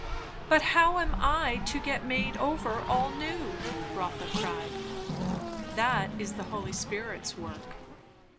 '" "But how am I to get made over all new?" Rotha cried. "That is the Holy Spirit's work.